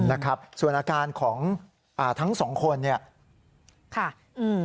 นะครับส่วนอาการของอ่าทั้งสองคนเนี่ยค่ะอืม